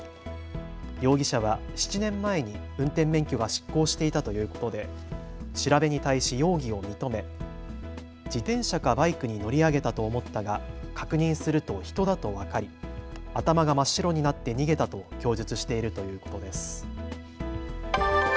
容疑者は７年前に運転免許が失効していたということで調べに対し容疑を認め、自転車かバイクに乗り上げたと思ったが確認すると人だと分かり頭が真っ白になって逃げたと供述しているということです。